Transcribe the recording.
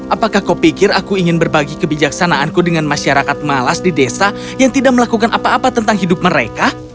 apakah kau pikir aku ingin berbagi kebijaksanaanku dengan masyarakat malas di desa yang tidak melakukan apa apa tentang hidup mereka